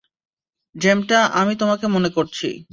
যেমটা আমি তোমাকে মনে করছি।